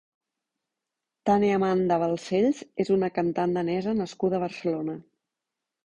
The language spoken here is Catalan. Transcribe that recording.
Tanne Amanda Balcells és una cantant danesa nascuda a Barcelona.